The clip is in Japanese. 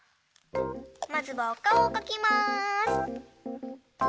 まずはおかおをかきます。